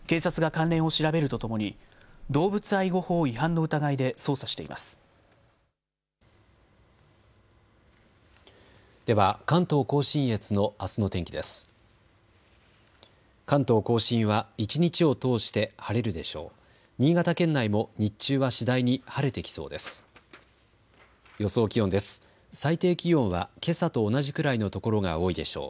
関東甲信は一日を通して晴れるでしょう。